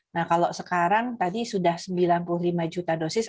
nah kalau sekarang tadi sudah sembilan puluh lima juta dosis